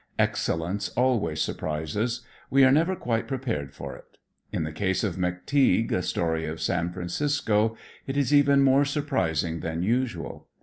Excellence always surprises: we are never quite prepared for it. In the case of "McTeague, a Story of San Francisco," it is even more surprising than usual.